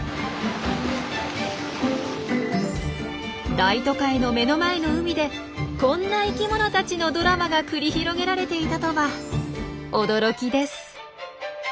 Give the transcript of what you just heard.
大都会の目の前の海でこんな生きものたちのドラマが繰り広げられていたとは驚きです。